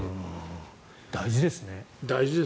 大事ですね。